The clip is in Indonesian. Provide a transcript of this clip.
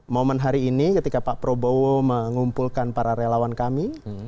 momen hari ini ketika pak prabowo mengumpulkan para relawan kami